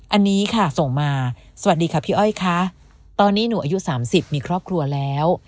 อันนี้ค่ะส่งมาสวัสดีค่ะพี่อ้อยค่ะตอนนี้หนูอายุ๓๐มีครอบครัวแล้ว